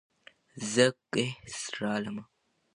زه ګهيځ رالمه